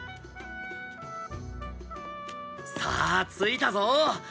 さあ着いたぞ。